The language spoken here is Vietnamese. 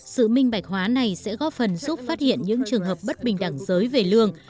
sự minh bạch hóa này sẽ góp phần giúp phát hiện những trường hợp bất bình đẳng giới về lương